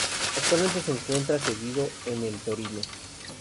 Actualmente se encuentra cedido en el Torino.